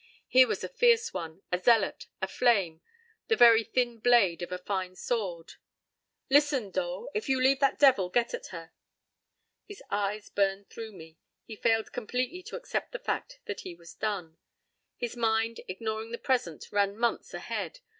Here was a fierce one, a zealot, a flame, the very thin blade of a fine sword. "Listen, Dole, if you leave that devil get at her—" His eyes burned through me. He failed completely to accept the fact that he was done. His mind, ignoring the present, ran months ahead.